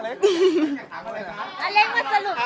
อยากถามอะไรคะ